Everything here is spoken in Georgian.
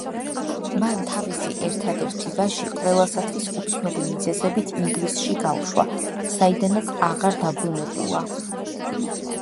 მან თავისი ერთადერთი ვაჟი, ყველასათვის უცნობი მიზეზებით ინგლისში გაუშვა, საიდანაც აღარ დაბრუნებულა.